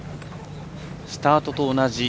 スタートと同じ。